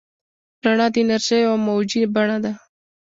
رڼا د انرژۍ یوه موجي بڼه ده.